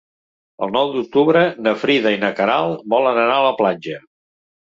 El nou d'octubre na Frida i na Queralt volen anar a la platja.